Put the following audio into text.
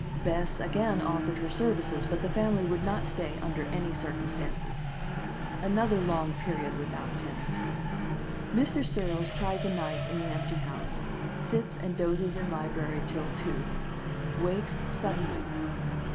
Bess again offered her services, but the family would not stay under any circumstances. Another long period without tenant. Mr. Searles tries a night in the empty house. Sits and dozes in library till two. Wakes suddenly.